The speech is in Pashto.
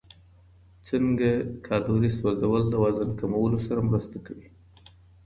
څنګه کالوري سوځول د وزن کمولو سره مرسته کوي؟